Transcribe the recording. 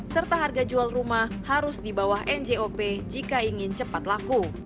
serta harga jual rumah harus di bawah njop jika ingin cepat laku